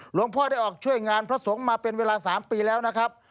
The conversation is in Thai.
หลวงพ่อได้ออกช่วยงานพระสงฆ์มาเป็นเวลา๓ปีแล้วนะครับ